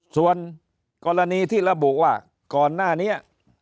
ส่วนกรณีที่ระบุว่าก่อนหน้านี้